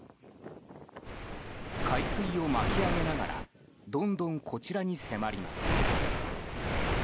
海水を巻き上げながらどんどん、こちらに迫ります。